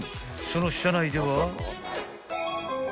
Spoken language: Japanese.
［その車内では］